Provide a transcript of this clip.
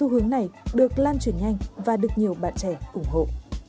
hướng này được lan truyền nhanh và được nhiều bạn trẻ ủng hộ